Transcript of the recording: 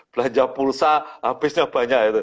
belanja pulsa habisnya banyak